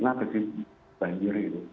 nanti banjir itu